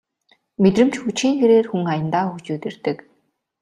Мэдрэмж хөгжихийн хэрээр хүн аяндаа хөгжөөд ирдэг